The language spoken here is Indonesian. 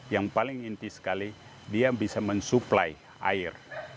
yang paling inti sekali dia bisa mensuplai air